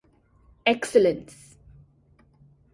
Excellence.